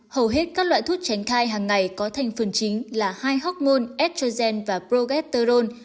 hầu hết các loại thuốc tránh thai hàng ngày có thành phần chính là hai hormone estrogen và progesterone